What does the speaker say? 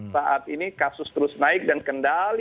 saat ini kasus terus naik dan kendali